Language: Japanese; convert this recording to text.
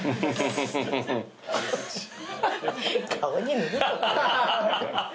顔に塗るぞ。